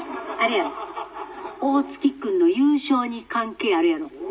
あれやろ大月君の優勝に関係あるやろ」。